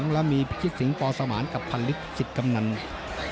และมีพิษศิงป์ตสมาร์นกับพันฤกษ์จิตกำหนัง